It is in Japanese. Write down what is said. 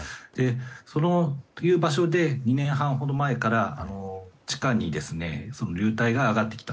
そういう場所で２年半ほど前から地下に流体が上がってきた。